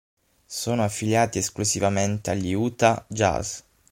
Sono affiliati esclusivamente agli Utah Jazz.